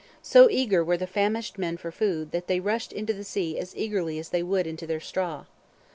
So eager were the famished men for food, that "they rushed into the sea as eagerly as they would into their straw."